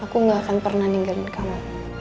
aku gak akan pernah ninggalin kamu